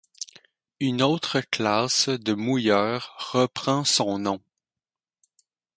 Une autre classe de mouilleurs reprend son nom.